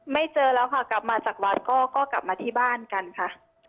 เจอแล้วค่ะกลับมาจากวัดก็กลับมาที่บ้านกันค่ะ